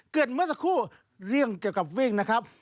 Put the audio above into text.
เมื่อสักครู่เรื่องเกี่ยวกับวิ่งนะครับ